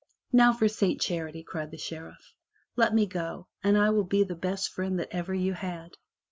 "Now for Saint Charity," cried the Sheriff, "let me go, and I will be the best friend that ever you had."